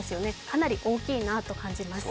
かなり大きいなと感じます。